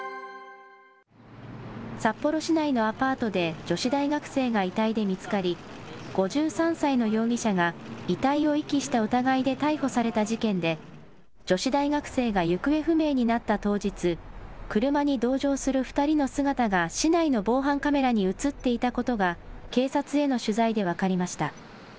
札幌市内のアパートで女子大学生が遺体で見つかり、５３歳の容疑者が遺体を遺棄した疑いで逮捕された事件で、女子大学生が行方不明になった当日、車に同乗する２人の姿が市内の防犯カメラに写っていたことが、警察への取材で分かりました。